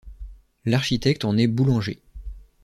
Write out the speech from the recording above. L'architecte en est Boulanger.